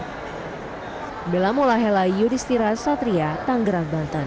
hai bela mula helai yudhistira satria tanggerang bantan